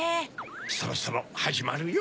そろそろはじまるよ。